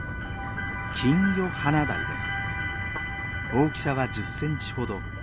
大きさは１０センチほど。